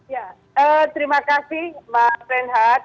ya terima kasih mas renhat